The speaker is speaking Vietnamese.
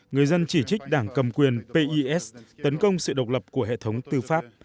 người dân chỉ trích đảng cầm quyền pes tấn công sự độc lập của hệ thống tư pháp